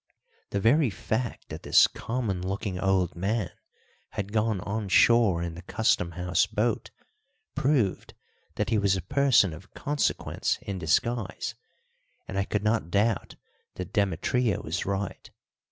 The very fact that this common looking old man had gone on shore in the Custom House boat proved that he was a person of consequence in disguise, and I could not doubt that Demetria was right.